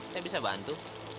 saya bisa bantu